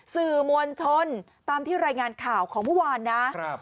สื่อมวลชนตามที่รายงานข่าวของเมื่อวานนะครับ